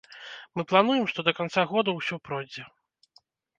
Мы плануем, што да канца года ўсё пройдзе.